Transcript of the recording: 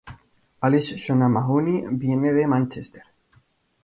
Alice Shona Mahoney viene de Mánchester.